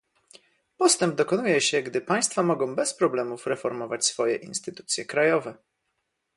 Postęp dokonuje się, gdy państwa mogą bez problemów reformować swoje instytucje krajowe